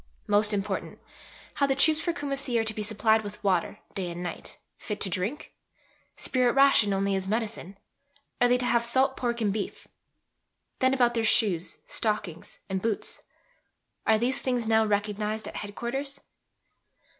Most important: How the troops for Kumassi are to be supplied with water, day and night, fit to drink? Spirit ration only as medicine? Are they to have salt pork and beef? Then about their shoes, stockings, and boots? Are these things now recognized at Head Quarters?